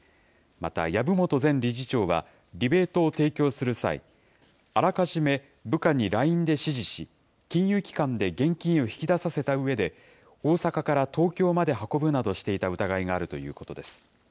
また籔本前理事長は、リベートを提供する際、あらかじめ部下にＬＩＮＥで指示し、金融機関で現金を引き出させたうえで、大阪から東京まで運ぶなどしていた疑いがあるということです。